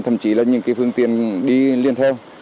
thậm chí là những phương tiện đi liên theo